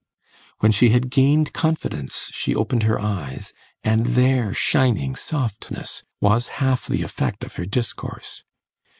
When she had gained confidence she opened her eyes, and their shining softness was half the effect of her discourse.